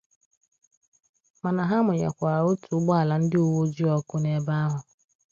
Mana ha mụnyèkwàrà ótù ụgbọala ndị uweojii ọkụ n'ebe ahụ